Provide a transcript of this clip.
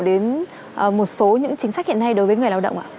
đến một số những chính sách hiện nay đối với người lao động ạ